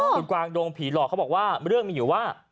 คุณกวางดงผีหลอกเขาบอกว่าเรื่องมีอยู่ว่า